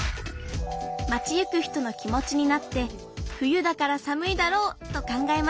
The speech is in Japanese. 町行く人の気持ちになって冬だから寒いだろうと考えました。